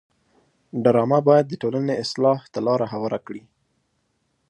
ډرامه باید د ټولنې اصلاح ته لاره هواره کړي